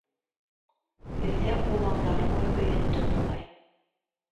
Өйҙә уландары ла һөйөндө, буғай.